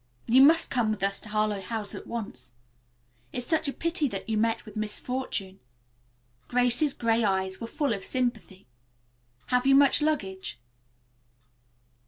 "You must come with us to Harlowe House at once. It is such a pity that you met with misfortune." Grace's gray eyes were full of sympathy. "Have you much luggage?"